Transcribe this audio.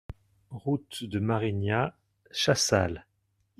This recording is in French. Route de Marignat, Chassal